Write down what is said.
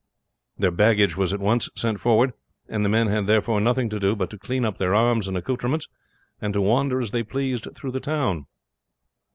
Their baggage was at once sent forward, and the men had therefore nothing to do but to clean up their arms and accoutrements, and to wander as they pleased through the town.